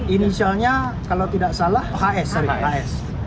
inisialnya kalau tidak salah hs